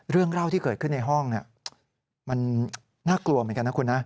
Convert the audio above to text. เรื่องเล่าที่เกิดขึ้นในห้องมันน่ากลัวเหมือนกันนะคุณนะ